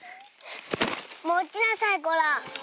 もちなさいこら！